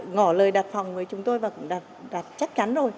ngỏ lời đặt phòng với chúng tôi và cũng đặt chắc chắn